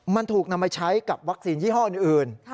มันถูกนำมาใช้กับวัคซีนยี่ห้ออื่น